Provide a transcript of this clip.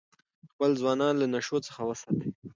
خپل ځوانان له نشو څخه وساتئ.